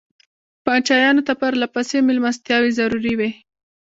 پاچایانو ته پرله پسې مېلمستیاوې ضروري وې.